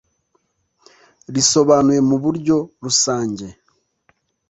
risobanuye mu buryo rusange